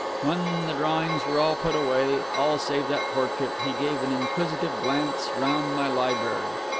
When the drawings were all put away, all save that portrait, he gave an inquisitive glance round my library.